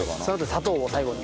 砂糖を最後に。